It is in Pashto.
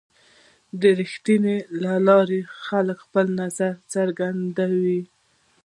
د رسنیو له لارې خلک خپل نظر څرګندوي.